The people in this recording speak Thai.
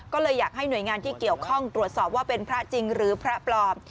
ก็เลยอยากให้หน่วยงานที่เกี่ยวข้องตรวจสอบว่าเป็นพระจริงหรือพระปลอม